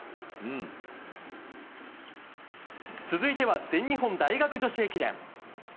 続いては、全日本大学女子駅伝。